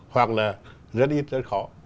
hoặc là rất ít rất khó